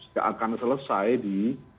tidak akan selesai di